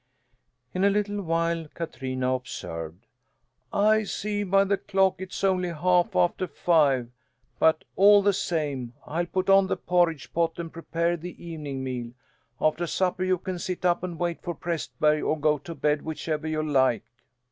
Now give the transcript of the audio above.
In a little while Katrina observed: "I see by the clock it's only half after five, but all the same I'll put on the porridge pot and prepare the evening meal. After supper, you can sit up and wait for Prästberg or go to bed, whichever you like."